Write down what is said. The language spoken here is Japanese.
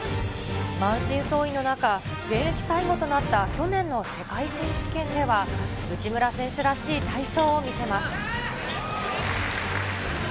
満身創痍の中、現役最後となった去年の世界選手権では、内村選手らしい体操を見せます。